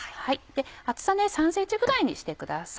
厚さ３ｃｍぐらいにしてください。